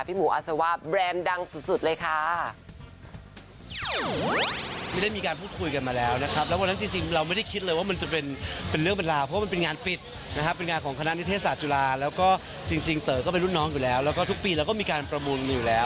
เรื่องแฟชั่นไม่ใส่เสื้อกันเนี่ยค่ะ